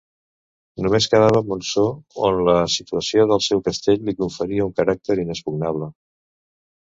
Només quedava Montsó, on la situació del seu castell li conferia un caràcter inexpugnable.